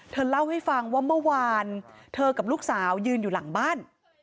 เธอเล่าให้ฟังว่าเมื่อวานเธอกับลูกสาวยืนอยู่หลังบ้าน